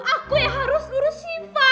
aku yang harus ngurus shiva